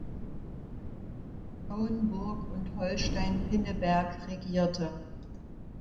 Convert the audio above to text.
Schauenburg und Holstein-Pinneberg regierte.